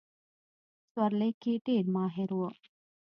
سورلۍ کې ډېر ماهر وو.